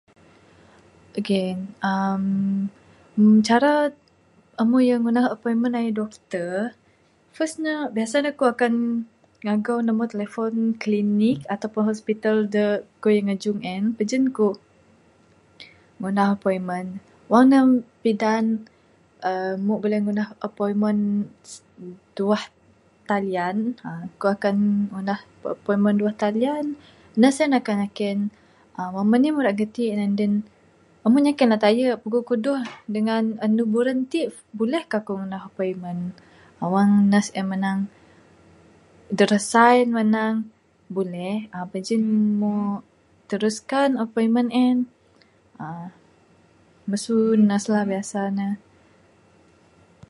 Ok uhh cara amuk ra ngundah appointment dengan dokter, first ne, biasa ne akuk akan ngagau nombor telefon klinik atau pun hospital da ku ra ngajung en. Pajin kuk ngundah appointment. Wang ne pidaan uhh amuk buleh ngundah appointment, duah talian, aaa akuk akan ngundah appointment duah talian. Ne sien akan nyiken, uhh wang manih amu' ira gati'? And then amu nyiken ne tayu, pukul kuduh dengan andu buran ti' buleh kah kuk ngundah appointment? Wang nurse en manang, deresai manang buleh, uhh pajin muk teruskan appointment en uhh. Masu nurse la biasa ne.